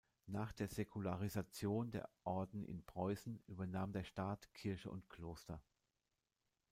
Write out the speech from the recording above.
Nach der Säkularisation der Orden in Preußen übernahm der Staat Kirche und Kloster.